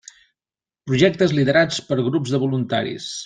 Projectes liderats per grups de voluntaris.